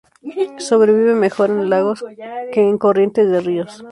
Sobrevive mejor en lagos que en corrientes de ríos.